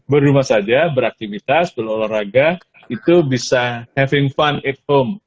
berumah saja beraktivitas berolahraga itu bisa having fun it home